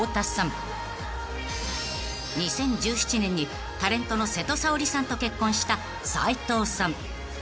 ［２０１７年にタレントの瀬戸サオリさんと結婚した斉藤さん］